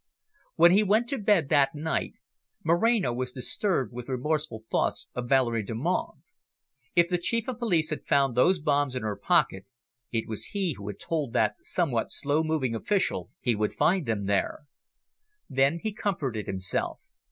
When he went to bed that night, Moreno was disturbed with remorseful thoughts of Valerie Delmonte. If the Chief of Police had found those bombs in her pocket, it was he who had told that somewhat slow moving official he would find them there. Then he comforted himself.